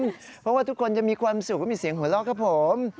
เพราะว่าทุกคนจะมีความสุขและมีเสียงหัวเราะครับผม